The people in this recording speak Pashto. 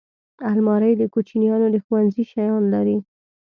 الماري د کوچنیانو د ښوونځي شیان لري